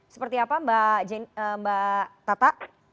seperti apa mbak tata